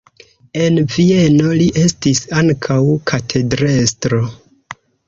En Vieno li estis ankaŭ katedrestro.